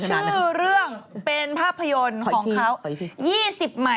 นึกถึงฉือเรื่องเป็นภาพยนตร์ของเขา